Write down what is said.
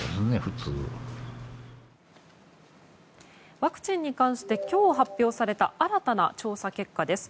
ワクチンに関して今日発表された新たな調査結果です。